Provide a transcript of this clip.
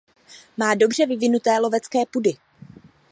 Má dobře vyvinuté lovecké pudy.